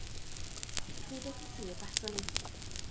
Ac mi ddeudis i y baswn i.